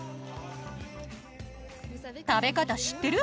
食べ方知ってる？